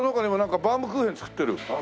バウムクーヘンやってます。